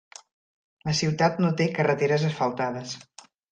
La ciutat no té carreteres asfaltades.